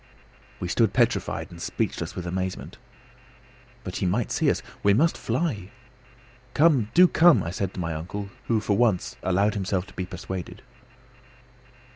We stood petrified and speechless with amazement. But he might see us! We must fly! "Come, do come!" I said to my uncle, who for once allowed himself to be persuaded.